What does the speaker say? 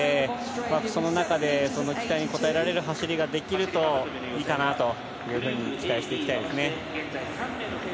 その中で期待にこたえられる走りができるといいかなと期待していきたいです。